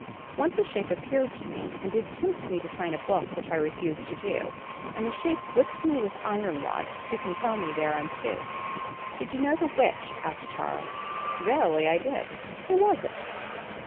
"Once a shape appeared to me and did tempt me to sign a book which I refused to do, and the shape whipped me with iron rods to compel me thereunto." "Did you know the witch?" asked Charles. "Verily, I did." "Who was it?"